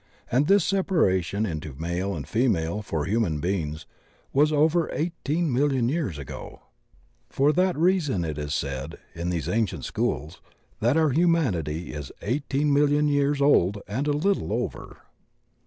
And tihis separation into male and. female for human beings was over 18,000,000 years ago. For that reason it is said, in these ancient schools, that our humanity is 18,000,000 years old and a little over.